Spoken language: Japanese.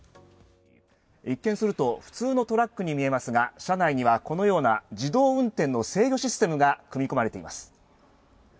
一見すると普通のトラックに見えますが車内にはこのような自動運転の制御システムが組み込まれています。